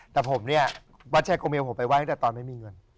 แต่ผมเนี่ยวัดชัยโกเมลผมไปไห้ตั้งแต่ตอนไม่มีเงิน